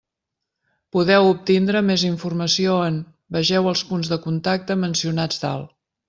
Podeu obtindre més informació en: vegeu els punts de contacte mencionats dalt.